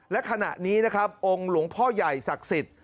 และขณะนี้นะครับองค์หลวงพ่อใหญ่ศักดิ์สิทธิ์